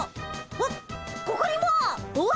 わっここにも！わ！